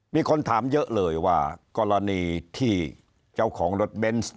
มีคนถามเยอะเลยว่ากรณีที่เจ้าของรถเบนส์